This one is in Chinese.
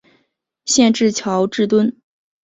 县治乔治敦。